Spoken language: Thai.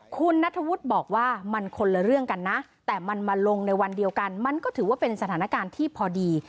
คุณนัทธวุฒิบอกว่ามันคนละเรื่องกันนะแต่มันมาลงในวันเดียวกันมันก็ถือว่าเป็นสถานการณ์ที่พอดี